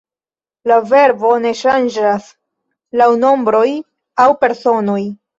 La verbo ne ŝanĝas laŭ nombroj aŭ personoj.